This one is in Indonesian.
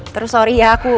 terus sorry ya aku